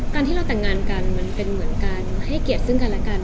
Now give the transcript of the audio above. การที่เราแต่งงานกันมันเป็นเหมือนการให้เกียรติซึ่งกันและกัน